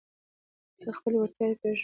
زه خپلي وړتیاوي پېژنم.